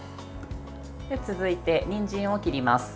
続いて、にんじんを切ります。